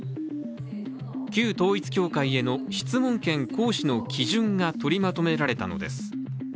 旧統一教会への質問権行使の基準が取りまとめられたのです。